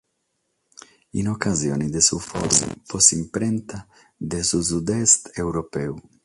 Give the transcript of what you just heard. In ocasione de su Forum pro s'imprenta de su sud-est europeu.